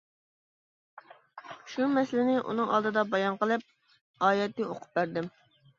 شۇ مەسىلىنى ئۇنىڭ ئالدىدا بايان قىلىپ، ئايەتنى ئوقۇپ بەردىم.